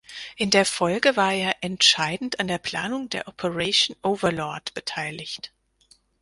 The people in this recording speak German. In der Folge war er entscheidend an der Planung der Operation Overlord beteiligt.